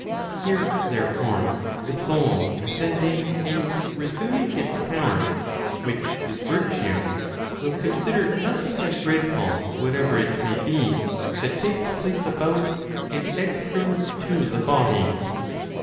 Here, therefore, the soul ascending and resuming its power, which is virtue, will consider nothing as dreadful whatever it may be, that lakes place about and external to the body.